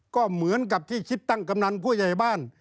ก็เหมือนกับที่คิดตั้งกำนันผู้ใหญ่บ้าน